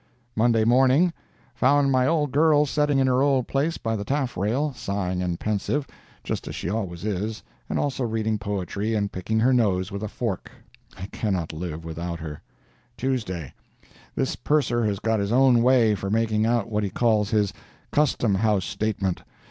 "MONDAY MORNING.—Found my old girl setting in her old place by the taffrail, sighing and pensive, just as she always is, and also reading poetry and picking her nose with a fork. I cannot live without her. "TUESDAY—This purser has got his own way for making out what he calls his Custom House statement.